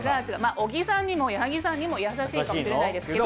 小木さんにも矢作さんにもやさしいかもしれないですけど。